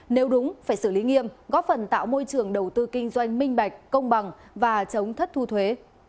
nếu đúng phải xử lý nghiêm góp phần tạo môi trường đầu tư kinh doanh minh bạch công bằng và chống thất thu thuế